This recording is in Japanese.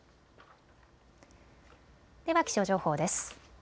では気象情報です。